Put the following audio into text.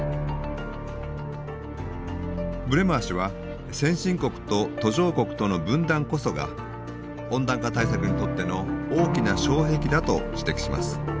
ブレマー氏は先進国と途上国との分断こそが温暖化対策にとっての大きな障壁だと指摘します。